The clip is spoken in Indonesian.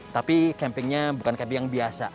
tapi campingnya bukan camping yang biasa